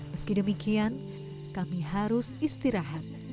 meski demikian kami harus istirahat